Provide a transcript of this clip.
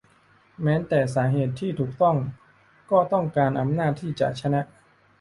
แม้แต่สาเหตุที่ถูกต้องก็ต้องการอำนาจที่จะชนะ